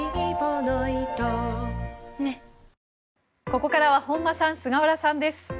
ここからは本間さん、菅原さんです。